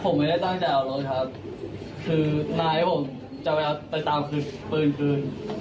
ผมไม่ได้ตั้งใจเอาเวลาชักคือแนะนำให้ผมจะไปเอาไปตามกลึ่งกลึ่ง